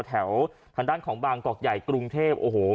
แถวทางด้านของบางกอกใหญ่กรุงเทพโอ้โห